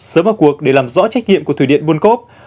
sớm vào cuộc để làm rõ trách nhiệm của thủy điện buôn cốp